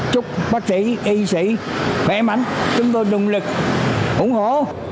chúc bác sĩ y sĩ khỏe mạnh chúng tôi động lực ủng hộ